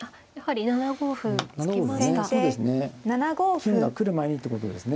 金が来る前にってことですね。